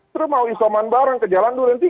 terus mau isoman bareng ke jalan dua dan tiga